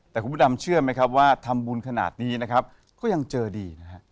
แต่คุณพระดำเชื่อไหมครับว่าทำบุญขนาดนี้นะครับก็ยังเจอดีนะฮะ